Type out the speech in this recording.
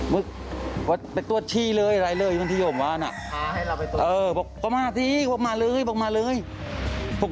เพื่อไปตรวจเชี่ยเรื่อยซึ่งงั้นที่ป๋าของมึง